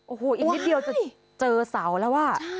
โอ้โหอีกนิดเดียวจะเจอเสาแล้วอ่ะ